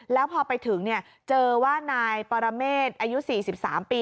แล้วพอไปถึงเนี่ยเจอว่านายปรเมตรอายุสี่สิบสามปี